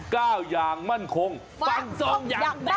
เก้าอย่างมั่นคงฟังทรงอย่างแบบ